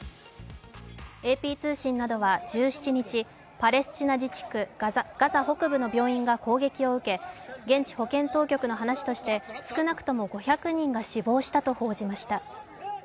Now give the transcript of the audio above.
ＡＰ通信などは１７日、パレスチナ自治区ガザ北部の病院が攻撃を受け現地保健当局の話として少なくとも５００人が死亡したと報じました。